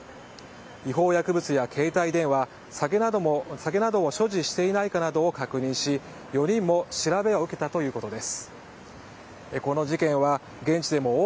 違法薬物や携帯電話、酒などを所持していないかなどを確認し４人も調べを受けたということです。